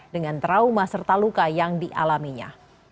dengan trauma serta luka yang dialaminya